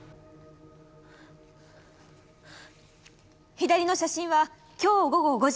左の写真は今日午後５時。